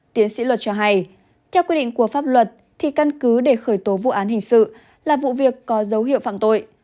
tiến sĩ luật cho hay theo quy định của pháp luật thì căn cứ để khởi tố vụ án hình sự là vụ việc có dấu hiệu phạm tội